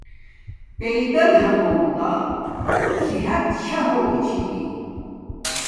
پیدل ہانوم تا صحت شاہ ہوگی چھی